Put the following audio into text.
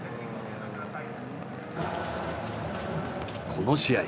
この試合